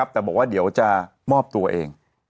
แต่บอกว่าเดี๋ยวจะมอบตัวเอง